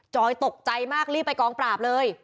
ตกใจมากรีบไปกองปราบเลย